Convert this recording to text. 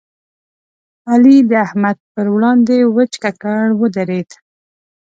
علي د احمد پر وړاندې وچ ککړ ودرېد.